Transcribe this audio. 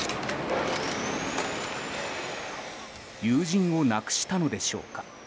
友人を亡くしたのでしょうか。